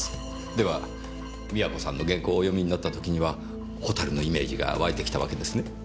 では美和子さんの原稿をお読みになった時にはホタルのイメージがわいてきたわけですね？